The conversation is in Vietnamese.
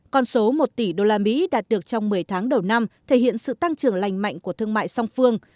con số một tỷ usd đạt được trong một mươi tháng đầu năm thể hiện sự tăng trưởng lành mạnh của thương mại song phương